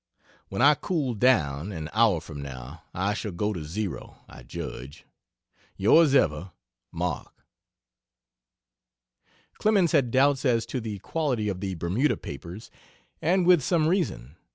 When I cool down, an hour from now, I shall go to zero, I judge. Yrs ever, MARK. Clemens had doubts as to the quality of the Bermuda papers, and with some reason.